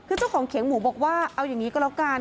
คือเจ้าของเขียงหมูบอกว่าเอาอย่างนี้ก็แล้วกัน